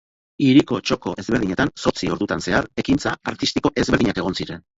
Hiriko txoko ezberdinetan, zortzi ordutan zehar ekintza artistiko ezberdinak egon ziren.